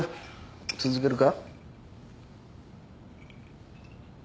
続けるか？